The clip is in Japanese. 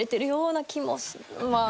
まあ。